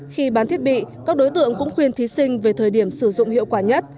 khi bán thiết bị các đối tượng cũng khuyên thí sinh về thời điểm sử dụng hiệu quả nhất